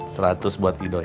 seratus buat idoi